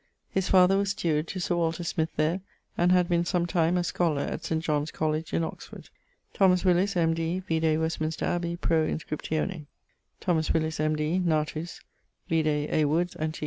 His father was steward to Sir Walter Smyth there, and had been sometime a scholar at St. John's College in Oxford. Thomas Willis, M.D.; vide Westminster Abbey pro inscriptione. Thomas Willis, M.D., natus ...; (vide A. Wood's _Antiq.